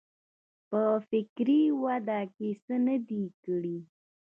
په فکري وده کې څه نه دي کړي.